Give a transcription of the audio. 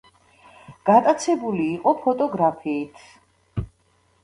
გატაცებული იყო ფოტოგრაფიით.